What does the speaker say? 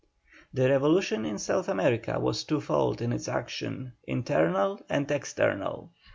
The revolution in South America was twofold in its action, internal and external.